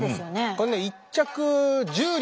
これね１着１０両。